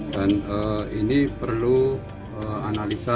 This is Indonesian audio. dan ini perlu analisa